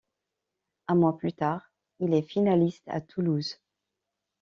Un mois plus tard, il est finaliste à Toulouse.